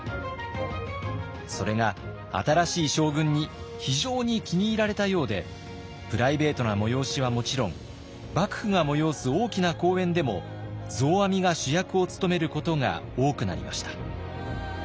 それが新しい将軍に非常に気に入られたようでプライベートな催しはもちろん幕府が催す大きな公演でも増阿弥が主役を務めることが多くなりました。